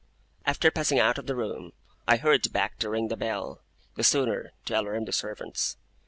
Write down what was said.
After passing out of the room, I hurried back to ring the bell, the sooner to alarm the servants.